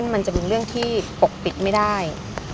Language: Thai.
มันจะเป็นเรื่องที่ปกปิดไม่ได้